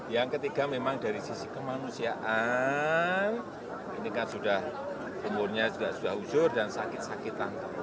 yang ketiga memang dari sisi kemanusiaan ini kan sudah umurnya sudah usur dan sakit sakitan